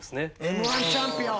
「Ｍ−１チャンピオン」。